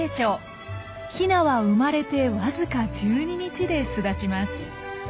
ヒナは生まれてわずか１２日で巣立ちます。